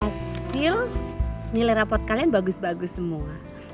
hasil nilai rapot kalian bagus bagus semua